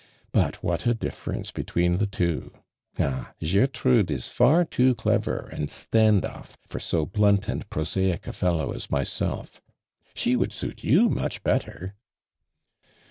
But what a difference between the two! Ah, Gertrude is far too clever and standotf for so blunt and prosaic a fellow as myself. She would suit you much bettei'